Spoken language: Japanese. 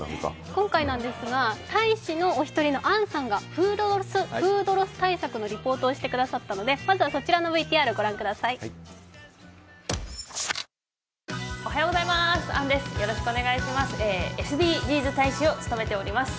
今回なんですが大使のお一人の杏さんがフードロス対策のリポートをしてくださったので、まずはそちらのＶＴＲをご覧くださいＳＤＧｓ大使を務めています。